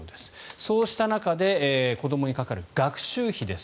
そうした中で子どもにかかる学習費です。